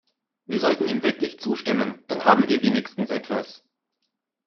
Wir sollten ihm wirklich zustimmen, dann haben wir wenigstens etwas!